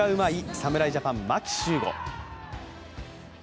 侍ジャパン・牧秀悟。